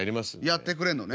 やってくれんのね。